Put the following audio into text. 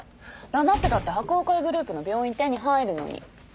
黙ってたって柏桜会グループの病院手に入るのに。